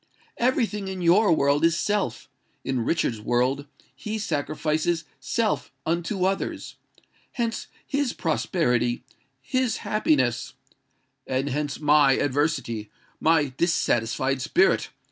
Every thing in your world is SELF: in Richard's world he sacrifices SELF unto others. Hence his prosperity—his happiness——" "And hence my adversity—my dissatisfied spirit!"